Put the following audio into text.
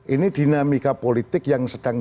ini dinamika politik yang sedang